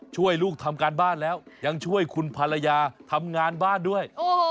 ช่วยลูกทำการบ้านแล้วยังช่วยคุณภรรยาทำงานบ้านด้วย